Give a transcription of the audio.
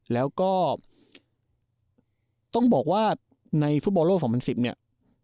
แล้วก็ต้องบอกว่าในฟุตบอลโลก๒๐๑๐เนี่ย